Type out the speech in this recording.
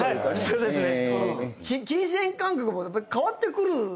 そうですね。